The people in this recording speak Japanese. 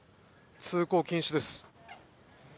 通行禁止です。